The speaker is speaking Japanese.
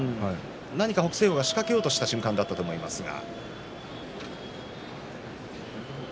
何か北青鵬が仕掛けようとした瞬間だったと思いますが。